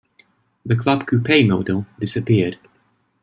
The Club Coupe model disappeared.